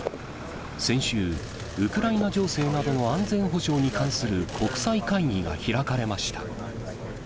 先週、ウクライナ情勢などの安全保障に関する国際会議が開かれました。